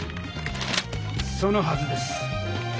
そのはずです。